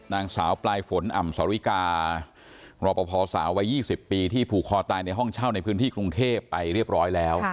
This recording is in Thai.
นางสาวปลายฝนอ่ำสริการรอปภสาววัย๒๐ปีที่ผูกคอตายในห้องเช่าในพื้นที่กรุงเทพไปเรียบร้อยแล้ว